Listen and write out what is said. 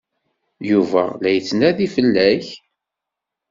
Yuba la yettnadi fell-ak.